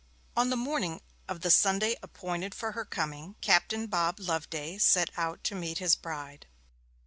On the morning of the Sunday appointed for her coming Captain Bob Loveday set out to meet his bride.